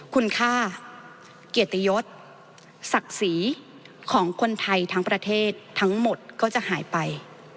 คุณค่าเกียรติยศศักดิ์ศรีของคนไทยทั้งประเทศทั้งหมดก็จะหายไป